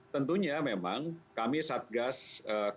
tentunya memang kami satgas kopi tentang tidak